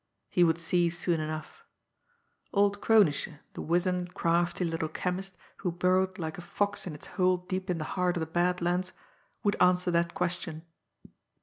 He would see soon enough old Kronische, the wizened, crafty, little chemist, who burrowed like a fox in its hole deep in the heart of the Bad Lands, would answer that question.